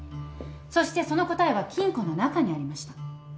そしてその答えは金庫の中にありました。